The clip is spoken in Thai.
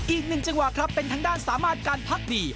อีกหนึ่งจังหวะครับเป็นทางด้านสามารถการพักดี